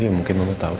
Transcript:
iya mungkin mama tau